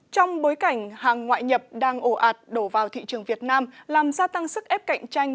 trong bối cảnh hàng ngoại nhập đang ổ ạt đổ vào thị trường việt nam làm gia tăng sức ép cạnh tranh